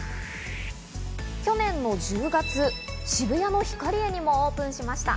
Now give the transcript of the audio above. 去年の１０月、渋谷のヒカリエにもオープンしました。